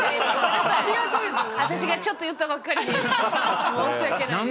私がちょっと言ったばっかりに申し訳ないです。